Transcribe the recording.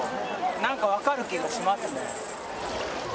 なんか分かる気がしますね。